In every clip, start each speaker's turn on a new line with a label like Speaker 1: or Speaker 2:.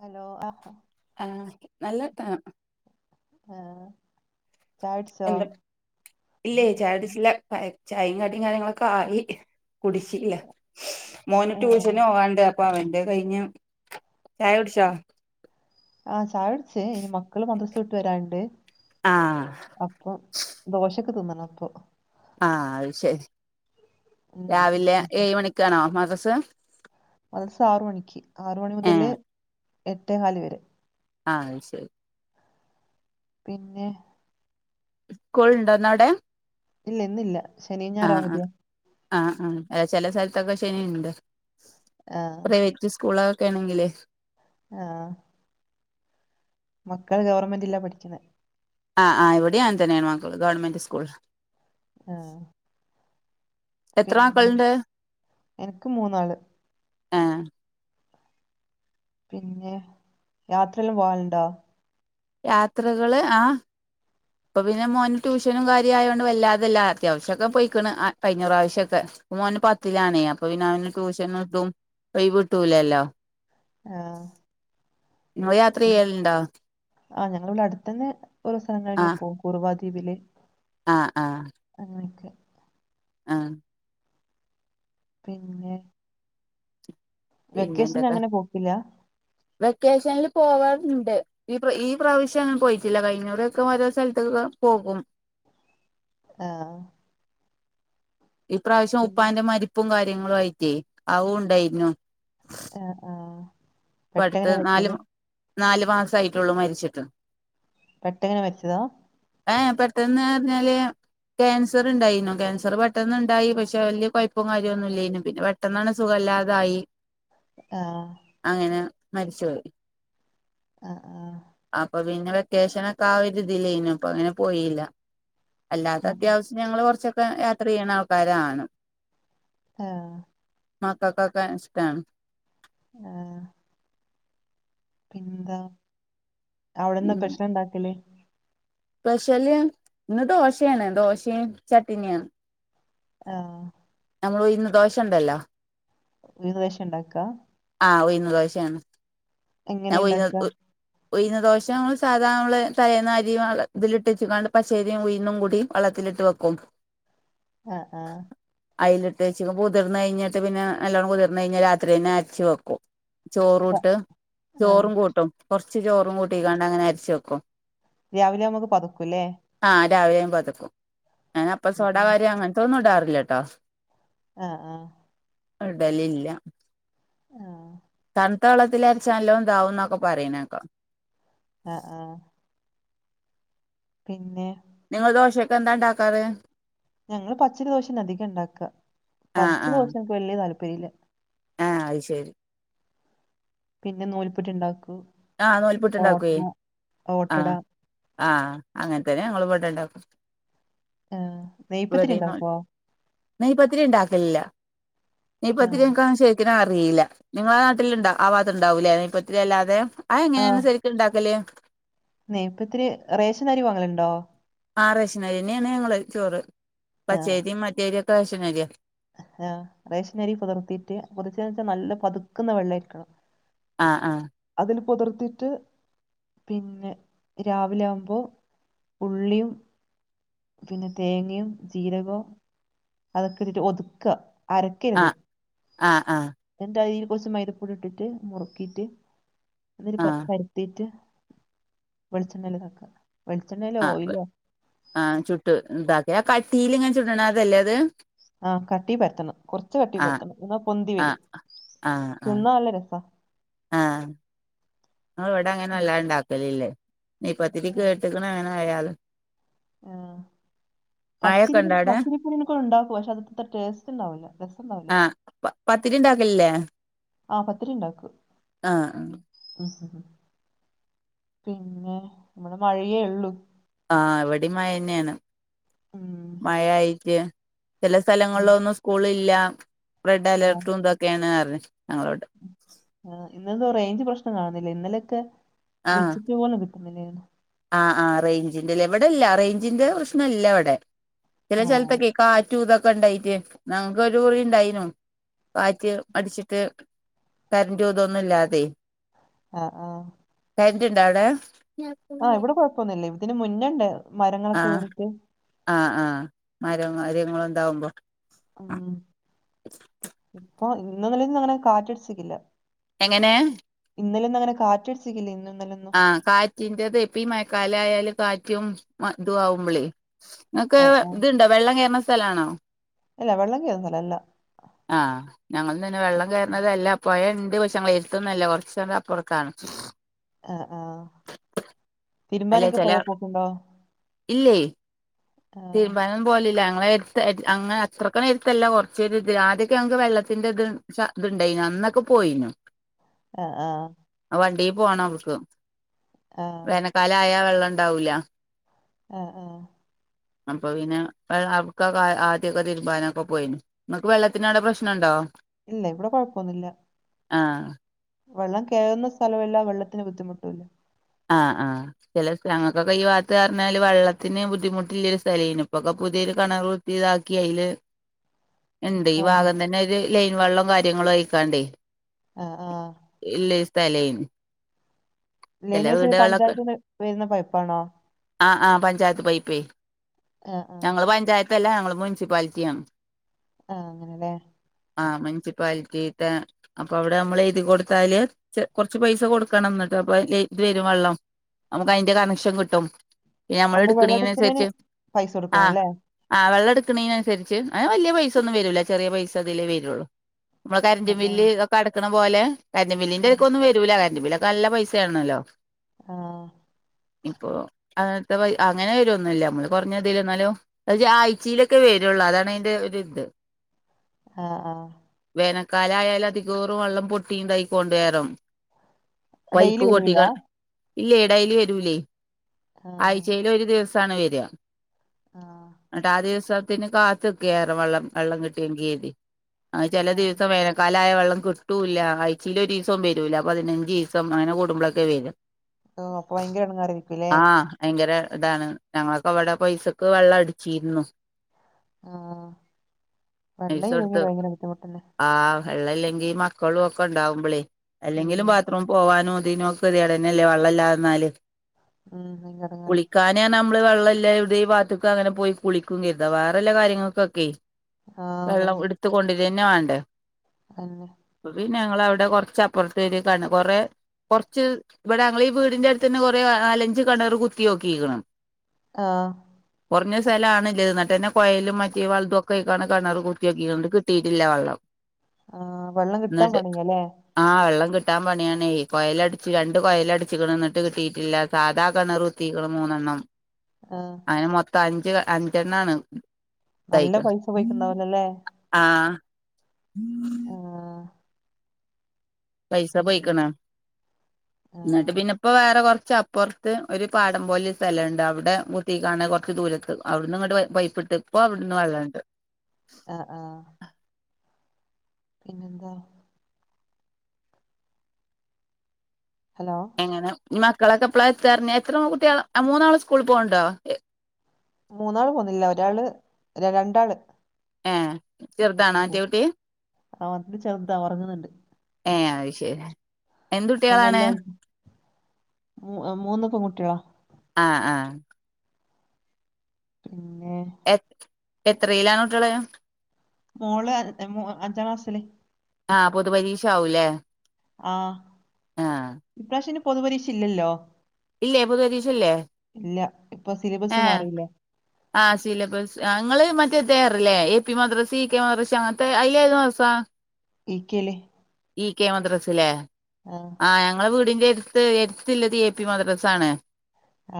Speaker 1: Hello ആഹ്
Speaker 2: ആഹ് നല്ലർത്താനം
Speaker 1: ആഹ്
Speaker 2: എന്ത ഇല്ലേ ചായടിച്ചില്ല ചായേം കടിം കാര്യങ്ങളൊക്കായി കുടിച്ചില്ല മോന്
Speaker 1: ആ
Speaker 2: ട്യൂഷന് പോവാണ്ട് അപ്പ അവന്റെ കയ്ഞ്ഞു ചായ കുടിച്ചോ
Speaker 1: ആഹ് ചായടിച്ച് ഇനി മക്കള് മദ്രസ വിട്ട് വരാണ്ട്
Speaker 2: ആഹ്
Speaker 1: അപ്പൊ ദോശെക്കെ തിന്നണം പ്പൊ
Speaker 2: ആഹ് അത് ശരി
Speaker 1: ഉം.
Speaker 2: രാവിലെ ഏഴ് മണിക്കാണോ മദ്രസ
Speaker 1: മദ്രസാറ് മണിക്ക് ആറ് മണി
Speaker 2: ഏഹ്
Speaker 1: മുതല് എട്ടേ കാല് വരെ
Speaker 2: ആഹ് ശരി
Speaker 1: പിന്നെ
Speaker 2: സ്കൂൾണ്ടോ ന്ന് അവ്ടെ
Speaker 1: ഇല്ല ഇന്നില്ല ശനീം ഞാറും അവധിയാ
Speaker 2: ആഹാ ചെല സലത്തെക്കെ ശനിണ്ട്
Speaker 1: ആ
Speaker 2: [unintelligible] സ്കൂളോക്കെ ആണെങ്കിലേ
Speaker 1: ആഹ് മക്കള് ഗവർമെന്റിലാ പഠിക്കുന്നെ
Speaker 2: ആഹ് ആഹ് ഇവിടെയും അങ്ങൻതന്നെയാണ് മക്കള് ഗവൺമെന്റ് സ്കൂളിലാ
Speaker 1: ആഹ്
Speaker 2: എത്രാക്കളുണ്ട്
Speaker 1: എനിക്ക് മൂന്നാള്
Speaker 2: ഏഹ്
Speaker 1: പിന്നെ യാത്രെല്ലാം പോകാലുണ്ടോ
Speaker 2: യാത്രകള് ആഹ് ഇപ്പൊ പിന്നെ മോന് ട്യൂഷനും കാര്യായോണ്ട് വല്ലാതില്ല അത്യാവശ്യക്കെ പോയിക്കണ് അ കഴിഞ്ഞറാവശ്യൊക്കെ. പ്പ മോന് പത്തിലാണേ അപ്പൊ പിന്നെ അവന് ട്യൂഷന്ട്ടും ഒയ്വ്ട്ടൂലല്ലോ.
Speaker 1: ആഹ്
Speaker 2: ങ്ങള് യാത്രയ്യലുണ്ടോ?
Speaker 1: ആ് ഞങ്ങളിവിടടുത്തന്നെ ഓരോ സ്ഥലങ്ങളിങ്ങനെ
Speaker 2: ആഹ്
Speaker 1: പോം കുർവാദ്വീപില്..
Speaker 2: ആഹ് ആഹ്
Speaker 1: അങ്ങനെക്കെ
Speaker 2: ആഹ്
Speaker 1: പിന്നെ വെക്കേഷൻ
Speaker 2: പിന്നെന്തൊക്കെ
Speaker 1: അങ്ങനെ പോക്കില്ല
Speaker 2: വെക്കേഷനില് പോവാല്ണ്ട്. ഈ പ്രാ ഈ പ്രാവശ്യം പോയിട്ടില്ല കഴിഞ്ഞൊറൊക്കെ ഓരോ സലത്തൊക്കെ പോകും.
Speaker 1: ആഹ്
Speaker 2: ഈ പ്രവശ്യം
Speaker 1: ഉം
Speaker 2: ഉപ്പാന്റെ മരിപ്പും കാര്യങ്ങളും ആയിട്ടേ ആവും ഉണ്ടായിനു.
Speaker 1: ആഹ് ആഹ്
Speaker 2: ഇപ്പടുത്ത് നാല് നാലു മാസ ആയിട്ടുള്ളു മരിച്ചിട്ട്.
Speaker 1: പെട്ടെന് മരിച്ചതാ?
Speaker 2: ഏയ് പ്പറത്ത്ന്ന് പറഞ്ഞാല്, ക്യാൻസർ ഉണ്ടായിനു ക്യാസർ പെട്ടെന്നുണ്ടായി പക്ഷെ വലിയ കുഴപ്പം കാര്യവും ഇല്ലായിനു പിന്നെ പെട്ട് പെട്ടെന്നാണ് സുഖമല്ലാതായി.
Speaker 1: ആഹ്
Speaker 2: അങ്ങനെ മരിച്ചോയി
Speaker 1: ആഹ് ആഹ്
Speaker 2: അപ്പൊ പിന്നെ വെക്കേഷനൊക്കെ ആരുതിലേനു ഇപ്പ അങ്ങനെ പോയില്ല
Speaker 1: ആ
Speaker 2: അല്ലാത്ത അത്യാവശ്യം.. ഞങ്ങള് കുറച്ചൊക്കെ യാത്ര ചെയ്യുന്ന ആൾക്കാരാണ്.
Speaker 1: ആഹ്
Speaker 2: മാക്കക്കക്ക ഇഷ്ട്ടാണ്.
Speaker 1: ആഹ് പിന്താ അവിടെന്നാ
Speaker 2: ഉം
Speaker 1: പ്രശ്നം ഇണ്ടാക്കലേ?
Speaker 2: സ്പെഷ്യല് ഇന്ന് ദോശയാണ് ദോശയും ചട്ടിനിയാ
Speaker 1: ആഹ്
Speaker 2: ഉഴുന്ന് ദോശണ്ടല്ലാ.
Speaker 1: [unintelligible] ഉണ്ടാക്കാ?
Speaker 2: ആഹ് ഉഴുന്ന് ദോശണ് ഞാ
Speaker 1: എങ്ങനെ
Speaker 2: ഉഴുന്ന്
Speaker 1: ഇണ്ടാക്ക
Speaker 2: ഉ ഉഴുന്ന ദോശ സാധാരണമ്മൾ തലേ ന അരിയും ഇതിലിട്ടച്ച്ക്കാണ്ട് പച്ചേരിയും ഉയന്നും കൂടി വള്ളത്തിലിട്ട് വെക്കും.
Speaker 1: ആഹ് ആഹ്
Speaker 2: അയിലിട്ട് വച്ച് കുതിർ കഴിഞ്ഞിട്ട് പിന്നെ നല്ലണ്ണം കുതിർന്ന് കഴിഞ്ഞാൽ രാത്രി തന്നെ അരച്ച് വെക്കും.
Speaker 1: ര-
Speaker 2: ചോറൂട്ട്,
Speaker 1: ആ
Speaker 2: ചോറും കൂട്ടും കൊറച്ച് ചോറും കൂട്ടികണ്ട അങ്ങനെ അരിച്ചു വെക്കും.
Speaker 1: രാവിലെ നമ്മുക്ക് പതുക്കൂല്ലേ?
Speaker 2: ആഹ് രാവിലെ ആമ്പോതേക്കും ഞാൻ അപ്പ
Speaker 1: ആ
Speaker 2: സോടകാര്യം അങ്ങനത്തൊന്നും ഇടാറില്ലട്ടോ.
Speaker 1: ആഹ് ആഹ്
Speaker 2: അടലില്ല
Speaker 1: ആഹ്
Speaker 2: തണുത്ത വെള്ളത്തിലരച്ചാ നല്ലോ എന്താവന്നൊക്കെ പറയനേക്ക.
Speaker 1: ആഹ് ആഹ് പിന്നെ
Speaker 2: നിങ്ങള് ദോശക്കെന്താ ണ്ടാക്കാറ്?
Speaker 1: ഞങ്ങള് പച്ചരി ദോശന്നെ അധികം ഉണ്ടാക്ക
Speaker 2: ആഹ്
Speaker 1: പച്ച
Speaker 2: ആഹ്
Speaker 1: ദോശ എനിക്ക് വലിയ താല്പര്യ ഇല്ല.
Speaker 2: ആഹ് അത് ശരി
Speaker 1: പിന്നെ നൂലിപ്പുട്ട് ഉണ്ടാക്കും
Speaker 2: ആഹ് നൂൽപുട്ട്ണ്ടാക്കുവേ
Speaker 1: [unintelligible] ഓട്ടട
Speaker 2: ആഹ് ആഹ് അങ്ങനെത്തന്നെ ഞങ്ങളും ഇടെണ്ടാക്കും
Speaker 1: ആ നെയ്പ്പത്തിരി
Speaker 2: ഇവിടെ നൂ
Speaker 1: ഇണ്ടാക്കോ
Speaker 2: നെയ്പത്തിരി ഉണ്ടാക്കലില്ല
Speaker 1: ആ
Speaker 2: നെയപ്പത്തിരിക്കശേ [unintelligible] അറിയില്ല നിങ്ങളെ ആ നാട്ടിലുണ്ടാ ആ ഭാത്തുണ്ടാവുല്ലേ നെയ്പത്തിരി അല്ലാതെ ആ എങ്ങനെയ ണ്ടാക്കല്
Speaker 1: നയ്പ്പഇത്തിരി റേഷൻ അരി വാങ്ങലുണ്ടോ
Speaker 2: ആഹ് റേഷനരിനെയാണ് ഞങ്ങളെ ഈ ചോറ്
Speaker 1: ആഹ്
Speaker 2: പച്ചേരിയും മറ്റേരിയും ഒക്കെ റേഷനരിയ
Speaker 1: ആഹ് റേഷനരി പുതർത്തിട്ട് കുതിച്ച വെച്ചാൽ നല്ല പതിക്കുന്ന വെള്ളം ആരിക്കണം
Speaker 2: ആഹ് ആഹ്
Speaker 1: അതിൽ പുതർത്തിട്ട് പിന്നെ രാവിലാവുമ്പോ ഉള്ളിയും പിന്നെ തേങ്ങയും ജീരകം അതൊക്കെ ഇട്ടിട്ട് ഒതുക്ക അരക്കരുത്
Speaker 2: ആഹ് ആഹ് ആഹ്
Speaker 1: [unintelligible] കുറച്ച് മൈദപ്പൊടി ഇട്ടിട്ട് മുറുക്കിയിട്ട് ഇതൊരു
Speaker 2: ആഹ്
Speaker 1: പരിത്തിറ്റ് വെളിച്ചെണ്ണൽ ഇതാക്ക വെളിച്ചെണ്ണയിലോ
Speaker 2: ആഹ് ആഹ്
Speaker 1: ഓയിലോ
Speaker 2: ആഹ് ചുട്ട് ഇന്താക്ക അ കട്ടീലിങ്ങനെ ചുട്ണതല്ലേ അത്
Speaker 1: ആഹ് കട്ടീ പരത്തണം കൊറച്ച്
Speaker 2: ആഹ്
Speaker 1: കട്ടീപരത്തണം എന്നാ പൊന്തി വരും
Speaker 2: ആഹ് ആഹ് ആഹ്
Speaker 1: തിന്നാ നല്ല രസ
Speaker 2: ആഹ് ഞങ്ങള് ഇവിടെ അങ്ങനെ അല്ലാഇണ്ടാക്കലില്ലേ നെയ്യ്പ്പത്തിരി കേട്ട്ക്ക്ണ് എങ്ങനെ ആയാലും
Speaker 1: ആഹ്
Speaker 2: മഴയൊക്കെ
Speaker 1: പച്ചിരിന്
Speaker 2: ഉണ്ടോ അവിടെ
Speaker 1: പച്ചരിപ്പുടിനോക്കെ ഒണ്ടാക്കും പക്ഷെ അത്ത്ര ടേസ്റ്റ്ണ്ടാവില്ല രസം ണ്ടാവില്ല.
Speaker 2: ആഹ് പ പത്തിരിണ്ടാക്കലില്ലേ?
Speaker 1: ആഹ് പത്തിരിണ്ടാക്കും ഉം പിന്നെ ഇവിടെ മഴയേ ഉള്ളു
Speaker 2: ആഹ് ഇവിടെയും മയ തന്നെയാണ്
Speaker 1: ഉം
Speaker 2: മയയായിട്ട് ചെല
Speaker 1: ഉം.
Speaker 2: സ്ഥലങ്ങളിലൊന്നും സ്ക്കൂളില്ല റെഡ്
Speaker 1: ആ,
Speaker 2: അലേർട്ടും ഇതൊക്കെയാണ്ന്ന് പറഞ്ഞ് ഞങ്ങളോട്
Speaker 1: ആ ഇന്നന്തൊ റേഞ്ച് പ്രശ്നം കാണുന്നില്ല ഇന്നലെയൊക്കെ
Speaker 2: ആഹ്
Speaker 1: വിളിച്ചിട്ടു പോലും കിട്ടുന്നിലായിരുന്നു
Speaker 2: ആഹ് ആഹ് റേഞ്ചിന്റെല്ലേ ഇവിടെ ഇല്ല റേഞ്ചിന്റെ പ്രശ്നം ഇല്ല ഇവിടെ ചില
Speaker 1: ആ
Speaker 2: സ്ഥലത്തെക്കെ കാറ്റൂതൊക്കെണ്ടായിട്ട് ഞങ്ങക്ക് ഒരു കുറി ഇണ്ടായിനു കാറ്റ് അടിച്ചിട്ട് കരന്റും ഇതൊന്നും ഇല്ലാതെ
Speaker 1: ആഹ് ആഹ്
Speaker 2: കരണ്ട് ഇണ്ടോ അവിടെ
Speaker 1: ആഹ് ഇവിടെ കുഴപ്പൊന്നുമില്ലേ ഇതിന് മുന്നേഇണ്ടേന്ന് മരങ്ങളൊക്കെ
Speaker 2: ആഹ്
Speaker 1: വീണിട്ട്
Speaker 2: ആഹ് ആഹ് മരം കാര്യങ്ങളും ഉണ്ടാവുമ്പോ
Speaker 1: ഉം ഇപ്പൊ ഇന്നും ഇന്നലെയൊന്നും അങ്ങനെ കാറ്റടിച്ചിക്കില്ല
Speaker 2: എങ്ങനെ
Speaker 1: ഇന്നലെന്നും അങ്ങനെ കാറ്റടിച്ചിക്കില്ല ഇന്നും ഇന്നലെന്നും
Speaker 2: ആ കാറ്റിന്റെത് ഇപ്പം ഈ മയക്കാലായാല് കാറ്റും ഇതും ആവുമ്പളെ ങ്ങക്ക്
Speaker 1: ആ ആ
Speaker 2: ഇത്ണ്ടോ വെള്ളം കേർണ സ്ഥലാണോ
Speaker 1: അല്ല വെള്ളം കയറുന്നസ്ഥലല്ല
Speaker 2: ആഹ് ഞങ്ങള് നിന്നിനെ വെള്ളം കയറണതല്ല പൊയ ഇണ്ട് പക്ഷെ ഞങ്ങളെ എടുത്തൊന്നല്ല കുറച്ചു അങ്ങട്ട് അപ്പുറത്താണ്
Speaker 1: ആഹ് ആഹ്
Speaker 2: അല്ലെ
Speaker 1: തിരുമ്പാനൊക്കെ
Speaker 2: ചില
Speaker 1: പൊഴേ പോക്കുണ്ടോ ആ
Speaker 2: തിരുമ്പാൻ തിരുമ്പാൻ പോവലില്ല ഞങ്ങളെ അങ്ങനെ അത്രക്ക് എടുത്തല്ല കൊറച്ച് ഇത് ആദ്യക്കെ ഞങ്ങക്ക് വെള്ളത്തിന്റെ ഇത് ശ ഇത്ണ്ടായിനി അന്നൊക്കെ പോയിനു
Speaker 1: ആഹ് ആഹ്
Speaker 2: വണ്ടി പോണം അമക്ക്
Speaker 1: ആ
Speaker 2: വേനൽക്കാലായാൽ വെള്ളണ്ടാവൂല്ല
Speaker 1: ആഹ് ആഹ്
Speaker 2: അപ്പൊ പിന്നെ [unintelligible] ആദ്യക്കെ തീരുമ്പാനൊക്കെ പോയിനു നിങ്ങക്ക് വെള്ളത്തിനാടെ പ്രശ്നണ്ടോ
Speaker 1: ഇല്ല ഇവിടെ കുഴപ്പൊന്നുല്ല
Speaker 2: ആഹ്
Speaker 1: വെള്ളം കേറുന്ന സ്ഥലമല്ലാം വെള്ളത്തിന് ബുദ്ധിമുട്ടുല്ല
Speaker 2: ആഹ് ആഹ് ചെലക്ക് ഞാങ്ങക്കൊക്കെ ഈ ഭാഗത്ത് പറഞ്ഞാല് വെള്ളത്തിന് ബുദ്ധിമുട്ടില്ല സ്ഥലേനു ഇപ്പൊക്കെ പുതിയരു കെണറ് ഇതാക്കി അയിൽ ഇണ്ട് ഈ
Speaker 1: ആഹ്
Speaker 2: ഭാഗം തന്നെ ഒരു ലൈൻ വെള്ളം കാര്യങ്ങളും അയക്കാണ്ടേ
Speaker 1: ആഹ് ആഹ്
Speaker 2: ഇല്ല സ്ഥലേന്
Speaker 1: ലൈനി വെച്ച പഞ്ചായത്തിന്ന് വരുന്ന പൈപ്പാണോ
Speaker 2: ആഹ് ആഹ് പഞ്ചായത്ത് പൈപ്പേ
Speaker 1: ആഹ് ആഹ്
Speaker 2: അല്ല അങ്ങള് മുനിസിപ്പാലിറ്റി അണ്
Speaker 1: ആഹ അങ്ങനെല്ലെ
Speaker 2: ആഹ് മുനിസിപ്പാലിറ്റിത്തെ അപ്പൊ അവി നമ്മള് എഴുതി കൊടുത്താല് കൊറച്ച് പൈസ കൊടുക്കണം എന്നിട്ട് അപ്പൊ ഇത് വരും വെള്ളം നമുക്ക് അതിന്റെ കണക്ഷൻ കിട്ടും പിന്ന നമ്മൾ
Speaker 1: അപ്പൊ വെള്ളം എടുക്കുന്നതിന്
Speaker 2: എടുക്കണിനനുസരിച്ച്
Speaker 1: പൈസ കൊടുക്കണം
Speaker 2: ആഹ
Speaker 1: അല്ലേ
Speaker 2: ആഹ വെള്ളംടുക്കണതിനനുസരിച്ച് അന വലിയ പൈസന്ന വൂല്ല ചെറിയ പൈസ അതിലേ വരുള്ളൂ നമ്മള് കരന്റ
Speaker 1: ആഹ്
Speaker 2: ബില്ല് ഒക്കെ അടക്കണ പോലെ കരന്
Speaker 1: ആഹ്
Speaker 2: മില്ലിന്റെടക്കെ ഒന്നും വ [unintelligible] ലിലൊക്കെ നല്ല പൈസയാണല്ലോ
Speaker 1: ആഹ്
Speaker 2: ഇപ്പൊ അങ്ങനത്തെ പൈ അങ്ങനെ വരൊന്നുല്ല നമ്മള് കുറഞ്ഞതില്ല് എന്നാലും അ ആഴ്ചയിലൊക്കെ വരുള്ളൂ അതാണ് അയിൻ്റെ ഒരു ഇത്
Speaker 1: ആഹ് ആഹ്
Speaker 2: വേനക്കാലായാൽ അധികേറും വെള്ളം പൊട്ടിയണ്ടായിക്കൊണ്ട വറം പൈപ്പ
Speaker 1: ഡെയിലി വരുവില്ല
Speaker 2: കൊട്ടിക ഇല്ലേ ഡെയിലി വരൂലേ
Speaker 1: ആഹ്
Speaker 2: ആഴ്ചൽ ഒരു ദിവസ് വര
Speaker 1: ആഹ്
Speaker 2: എന്നിട്ട് ആ ദിവസ ത്തിന് കാത്തൊക്കെറെ വെള്ളം വെള്ളം കിട്ടിയ കീതി ചില ദിവസം വേന കാലായ വെള്ളം കിട്ടൂല്ല ആഴ്ചൽ ഒരു ദിവസം വരൂല പതിനഞ്ച് ദിവസം അങ്ങനെ കൂടുമ്പോഴൊക്കെ വരും
Speaker 1: ഓ അപ്പൊ ഭയങ്കര ഇട ങ്ങാറിരിക്കൂല്ലേ
Speaker 2: ആഹ് ഭയങ്കര ഇതാണ് ഞങ്ങളൊക്കെ വടെ പൈസക്ക് വെള്ളം അടിച്ചിരുന്നു
Speaker 1: ആഹ്
Speaker 2: പൈസ
Speaker 1: വെള്ളല്ലെങ്കും
Speaker 2: കൊടുത്ത്
Speaker 1: ഭയങ്കര ബുദ്ധിമുട്ടല്ലേ?
Speaker 2: ആഹ് വെള്ള ഇല്ലെങ്കിൽി മക്കളും ഒക്കെ ഉണ്ടാവുമ്പളേ
Speaker 1: ഉം
Speaker 2: അല്ലെങ്കിലും ബത് റൂം പോവാനും തിനെക്കെ കതിടന്നെല്ലേ വള്ളല്ലാല്
Speaker 1: ഉം എടങ്ങറ
Speaker 2: കാനെയാണ് നമ്മള് വെള്ളംല്ലാം ഇവിടെ ഈാത്തക്ക അങ്ങനെ പോയി കുളിക്കും കരുതാ വേറെല്ല കാര്യങ്ങൾക്കൊക്കെ
Speaker 1: ആഹ്
Speaker 2: വെള്ളം എടുത്ത് കൊണ്ടരന്ന വണ്ടേ
Speaker 1: തന്നെ
Speaker 2: അപ്പ പിന്ന ഞങ്ങളെ അവിടെ കൊറച്ചപ്പുത്ത്ണ് കൊറെ കുറച്ച് ഇവിടെ ഞങ്ങൾ ഈ വീടിന്റെ അടുത്ത് തന്നെ കൊറ ആലഞ്ച് കെണർ കുത്തിയോക്കിക്ക്ണ്
Speaker 1: ആഹ്
Speaker 2: കുറഞ്ഞ സ്ഥലം ആണല്ല എന്നിട്ട്ന്നെയലും മറ്റ വെള്ളംൊക്കെക്കാണ് കെണർ കുത്തിയോക്കിക്ക്ണ്ട് കിട്ടിയിട്ടില്ല വെള്ളം
Speaker 1: ആഹ് വെള്ളം കിട്ടാൻ പണിയലെ
Speaker 2: ആഹ് വെള്ളം കിട്ടാൻ പണിയാണേ കൊയൽടച്ച് രണ്ട് കൊയല അടച്ച് കിന്നിട്ട് കിട്ടിയിട്ടില്ല സാധാ കിണർ കുത്തിക്കണ് മൂന്നെണ്ണം
Speaker 1: ആഹ്
Speaker 2: അയിന് മൊത്തം അഞ്ച് അഞ്ചെണ്ണാണ്
Speaker 1: നല്ല
Speaker 2: തായിക്കണെ
Speaker 1: പൈസ പോയിക്ക്ണ്ടാവൂലല്ലേ
Speaker 2: ആഹ്
Speaker 1: ആഹ്
Speaker 2: പൈസ
Speaker 1: പിന്നെ
Speaker 2: പോയിക്ക്ണ് എന്നിട്ട്
Speaker 1: ആഹ്
Speaker 2: പിന്നെ ഇപ്പൊ വേറെ കുറച്ച് അപ്പുറത്ത് ഒരു പാടം പോലെ ഒരു സ്ഥലണ്ട് അവിടെ മുത്തി കാണ് കുറച്ച് ദൂരക്ക് അവിടുന്ന് ഇങ്ങോട്ട പൈപ്പ് ഇട്ട ഇപ്പപ്പോ അവിടന്ന് വെള്ളുണ്ട്.
Speaker 1: ആഹ് ആഹ് പിന്നെന്താ ഹലോ
Speaker 2: എങ്ങനെ ഇനി മക്കളൊക്കെപ്പളെത്താർഞ്ഞ് എത്ര പെങ്കുട്ട്യാള ആ മൂന്നാളുസ്കൂള് പോവ്ണ്ടോ
Speaker 1: മൂന്നാളും പോന്ന്ല്ല ഒരാള് ര രണ്ടാള്
Speaker 2: എ
Speaker 1: [unintelligible] ചേർത്ത ഒറങ്ങണണ്ട്
Speaker 2: ഏഹ് അത് ശരിയാ
Speaker 1: അപ്പം വല്ല്യാള് മൂ മൂന്ന് പെങ്കുട്ട്യോളാ
Speaker 2: ആഹ് ആഹ്
Speaker 1: പിന്നെ
Speaker 2: എ എത്രീലാണ് കുട്ട്യോള്?
Speaker 1: മോള് [unintelligible] അഞ്ചാം ക്ലാസില്.
Speaker 2: ആഹ് പൊതു പരീക്ഷാവുലേ?
Speaker 1: ആഹ് ഇപ്രാവശന്ന് പൊതുപരീക്ഷില്ലല്ലോ
Speaker 2: ഇല്ലേ പൊതുപരീക്ഷ ഇല്ലേ
Speaker 1: ഇല്ല ഇപ്പൊ സിലബസ് മാറീലെ.
Speaker 2: ആഹ് സിലബസ് അ ഇങ്ങള് മറ്റേതേകാരല്ലേ എ പി മദ്രസ്, ഇ കെ മദ്രസ്, അങ്ങൻത്തെ അയ്‌ലേത് മദ്രസാ?
Speaker 1: ഈകേല്
Speaker 2: ഈകേ മദ്രസ് ലേ
Speaker 1: ആഹ്
Speaker 2: ആഹ് ഞങ്ങളെ വീട്ൻ്റെട്ത്ത് എട്ത്ത്ള്ളത് എ പി മദ്രസാണ്.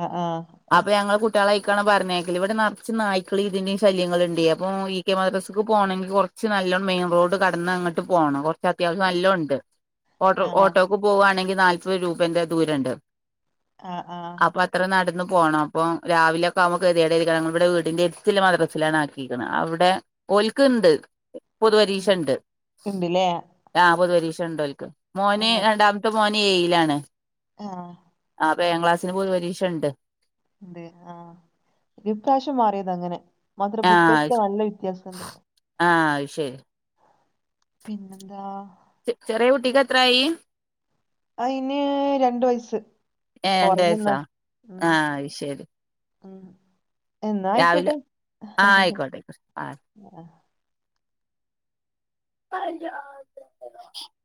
Speaker 1: ആഹ് ആഹ്
Speaker 2: അപ്പ ഞങ്ങള് കുട്ട്യോളയ്ക്കാണ് പറഞ്ഞേക്കല് ഇവ്ടെ നർച്ച് നായ്ക്കളിംതിൻ്റീം ശല്യങ്ങള്ണ്ട് അപ്പം ഇ കെ മാദ്രസ്ക്ക് പോണെങ്കി കൊർച്ച് നല്ലൊം മെയിൻ റോഡ് കടന്നങ്ങട്ട് പോണം കൊർ അത്യാവസ്യം നല്ലോണ്ട് ഓട്ടോ
Speaker 1: ആഹ്
Speaker 2: ഓട്ടോക്ക് പോവാണെങ്കി നാല്പ്പത് രൂപന്റെ ദൂരണ്ട്.
Speaker 1: ആഹ് ആഹ്
Speaker 2: എത്ര നടന്ന് പോണം അപ്പം രാവിലൊക്കാവുമ്പൊ കെതിയേടല്ലെയ്ക്കാരം ഇവ്ടെ വീടിന്റെട്ത്ത്ള്ള മദ്രസിലാണാക്കീക്ക്ണ് അവ്ടെ ഓൽക്ക്ണ്ട് പൊതു പരീക്ഷണ്ട്
Speaker 1: ഇണ്ട്ലേ
Speaker 2: ആഹ് പെതുപരീക്ഷണ്ടോൽക്ക് മോന്
Speaker 1: ആഹ്
Speaker 2: രണ്ടാമത്തെ മോന് ഏഴിലാണ്.
Speaker 1: ആഹ്
Speaker 2: ആഹ് അപ്പൊ ഏയാ ക്ലാസിന് പൊതു പരീക്ഷണ്ട്.
Speaker 1: എന്ത് ആഹ് ഇപ്രാവ്ശ്യം മാറിതാ ഇങ്ങനെ
Speaker 2: ആഹ് [unintelligible] ആഹ് അയ്ശരി.
Speaker 1: പിന്നെന്താ
Speaker 2: ചെ ചെറ്യേ കുട്ടിക്കെത്രായി?
Speaker 1: അയ്ന് രണ്ട് വയസ്സ്
Speaker 2: ഏ രണ്ട്
Speaker 1: ഒറങ്ങ്ന്നു
Speaker 2: വയസ്സാ
Speaker 1: ഉം
Speaker 2: ആഹ് അത് ശരി
Speaker 1: ഉം എന്നാ
Speaker 2: രാവിലെ
Speaker 1: അയ്ക്കോട്ടെ
Speaker 2: ആഹ് ആയിക്കോട്ടെ ആയിക്കോട്ടെ [unintelligible]